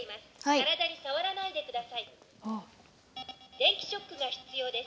電気ショックが必要です。